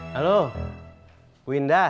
halo bu indah